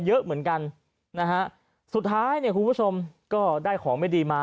เยอะเหมือนกันนะฮะสุดท้ายเนี่ยคุณผู้ชมก็ได้ของไม่ดีมา